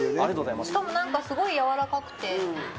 しかもなんかすごいやわらかくて。